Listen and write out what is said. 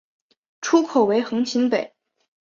出口为横琴北。